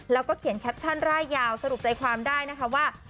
แล้วก็เขียนแคปชั่นร่ายยาวสรุปใจความได้นะคะว่า